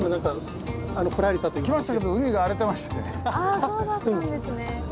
あそうだったんですね。